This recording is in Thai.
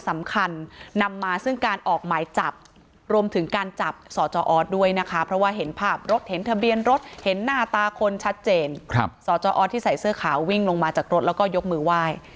อันนี้ตำรว